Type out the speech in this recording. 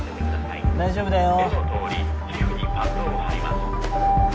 大丈夫だよ。